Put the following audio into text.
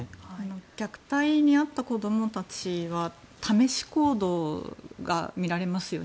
虐待に遭った子供たちは試し行動が見られますよね。